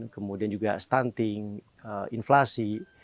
kemudian juga stunting inflasi